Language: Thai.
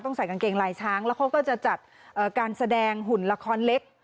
ใส่กางเกงลายช้างแล้วเขาก็จะจัดการแสดงหุ่นละครเล็ก